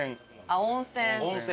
あっ温泉。